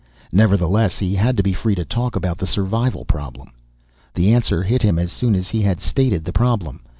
Nevertheless, he had to be free to talk about the survival problem. The answer hit him as soon as he had stated the problem.